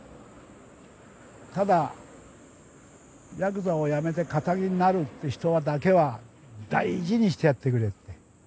ただヤクザを辞めて堅気になるって人だけは大事にしてやってくれって。